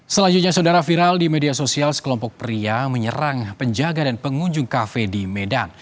selanjutnya saudara viral di media sosial sekelompok pria menyerang penjaga dan pengunjung kafe di medan